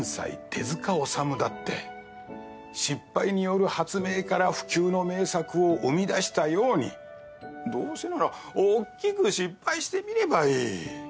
手塚治虫だって失敗による発明から不朽の名作を生みだしたようにどうせならおっきく失敗してみればいい。